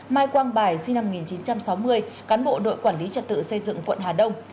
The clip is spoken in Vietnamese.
mai quang bài sinh năm một nghìn chín trăm sáu mươi cán bộ đội quản lý trật tự xây dựng quận hà đông